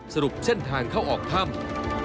สรุปเส้นทางเข้าออกถ้ำ